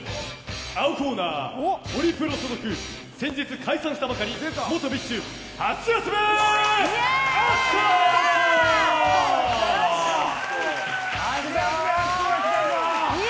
青コーナー、ホリプロ所属先日解散したばかり元ＢｉＳＨハシヤスメ・アツコ！